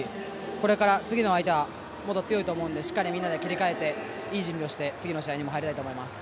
これから次の相手はもっと強いと思うのでみんなで切り替えて良い準備をして次の試合に入りたいと思います。